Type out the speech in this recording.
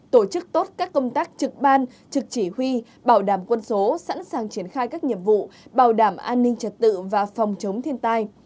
tổ chức tốt các công tác trực ban trực chỉ huy bảo đảm quân số sẵn sàng triển khai các nhiệm vụ bảo đảm an ninh trật tự và phòng chống thiên tai